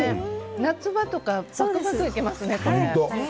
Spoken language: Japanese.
夏場とかスースーいけますね。